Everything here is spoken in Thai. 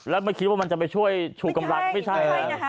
แล้วไม่คิดว่ามันจะไปช่วยชูกำลังไม่ใช่นะ